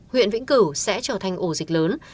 huyện vĩnh cửu sẽ trở thành ổ dịch lớn